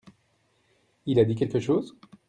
Il a dit quelque chose ?